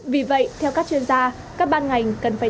vì vậy theo các chuyên gia các ban ngành cần phải